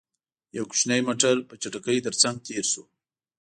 يو کوچينی موټر، په چټکۍ تر څنګ تېر شو.